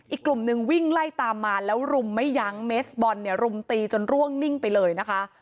อีกกลุ่มนึงวิ่งไล่ตามมาแล้วรุมไม่ยั้งเมสบอลเนี่ยรุมตีจนร่วงนิ่งไปเลยนะคะ